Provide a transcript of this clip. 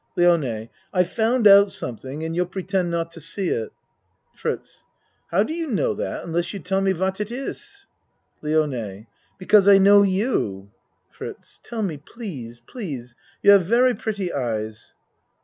LIONE I've found out something and you'll pre ACT II 53 tend not to see it. FRITZ How do you know that unless you tell me what it iss? LIONE Because I know you. FRITZ Tell me, please please. You have very pretty eyes.